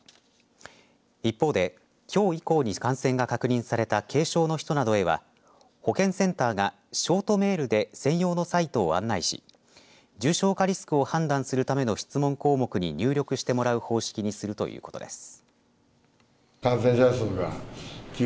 一方で、きょう以降に感染が確認された軽症の人などへは保健センターがショートメールで専用のサイトを案内し重症化リスクを判断するための質問項目に入力してもらう方式にするということです。